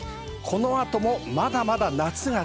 この後も、まだまだ夏が